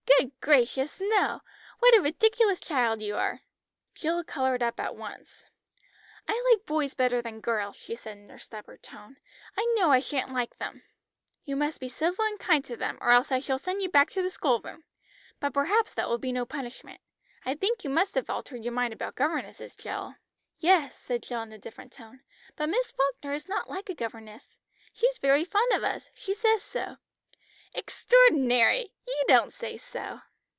"Good gracious, no! What a ridiculous child you are." Jill coloured up at once. "I like boys better than girls," she said in her stubborn tone. "I know I shan't like them." "You must be civil and kind to them, or else I shall send you back to the school room. But perhaps that will be no punishment. I think you must have altered your mind about governesses, Jill." "Yes," said Jill in a different tone. "But Miss Falkner is not like a governess. She's very fond of us, she says so!" "Extraordinary! You don't say so!"